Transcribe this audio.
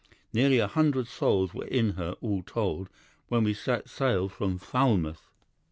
Nearly a hundred souls were in her, all told, when we set sail from Falmouth.